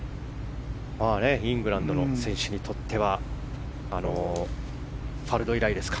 イングランドの選手にとってはファルド以来ですか。